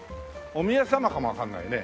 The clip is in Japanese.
お宮様かもわからないね。